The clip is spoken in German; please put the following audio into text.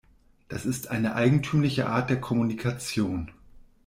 Das ist eine eigentümliche Art der Kommunikation.